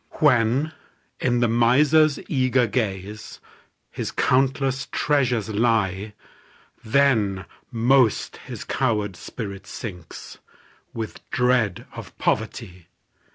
When, in the miser's eager gaze, His countless treasures lie, Then most his coward spirit sinks, With dread of poverty.